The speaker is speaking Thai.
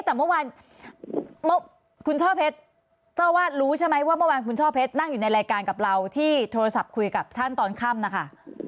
แต่เมื่อวานคุณช่อเพชรเจ้าวาดรู้ใช่ไหมว่าเมื่อวานคุณช่อเพชรนั่งอยู่ในรายการกับเราที่โทรศัพท์คุยกับท่านตอนค่ำนะคะ